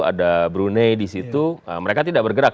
ada brunei di situ mereka tidak bergerak